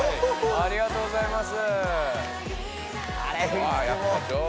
ありがとうございます。